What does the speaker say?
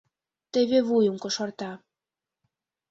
Теве вуйым кошарта.